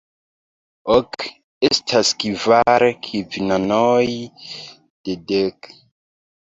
Ok estas kvar kvinonoj de dek.